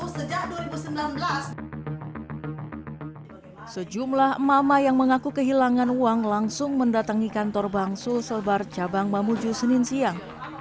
sejak dua ribu sembilan belas sejumlah mama yang mengaku kehilangan uang langsung mendatangi kantor bangsu sebar cabang mamuju senin siang